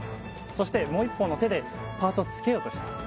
そしてもう一方の手でパーツをつけようとしてます